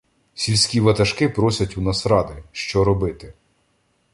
Сільські ватажки просять у нас ради, що робити.